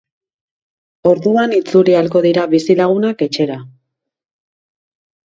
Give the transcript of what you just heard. Orduan itzuli ahalko dira bizilagunak etxera.